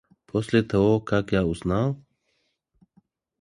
после того как я узнал,